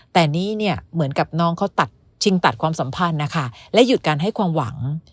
แต่นี่เนี่ยเหมือนกับน้องเขาตัดชิงตัดความสัมพันธ์นะคะและหยุดการให้ความหวัง